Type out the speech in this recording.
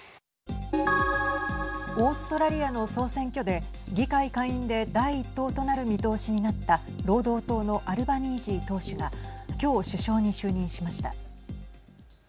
オーストラリアの総選挙で議会下院で第１党となる見通しになった労働党のアルバニージー党首がきょう、首相に就任しました。